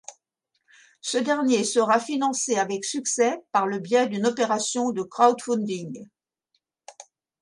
Ce dernier sera financé avec succès par le biais d'une opération de crowdfunding.